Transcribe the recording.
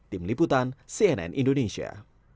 tim liputan cnn indonesia